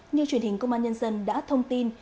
như truyền hình công an nhân dân đã thông tin